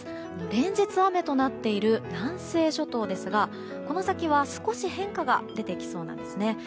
連日、雨となっている南西諸島ですがこの先は少し変化が出てきそうなんです。